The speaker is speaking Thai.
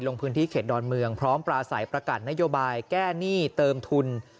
ลงพื้นที่เขตดอนเมืองพร้อมปราศัยประกาศนโยบายแก้หนี้เติมทุน